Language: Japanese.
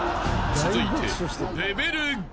［続いて］